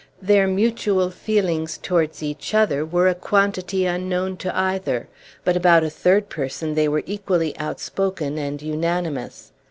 Their mutual feelings towards each other were a quantity unknown to either; but about a third person they were equally outspoken and unanimous.